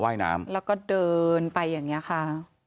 แล้วก็เดินไปอย่างนี้ค่ะ